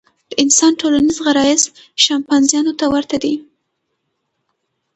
د انسان ټولنیز غرایز شامپانزیانو ته ورته دي.